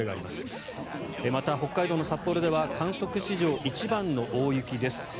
また、北海道の札幌では観測史上１番の大雪です。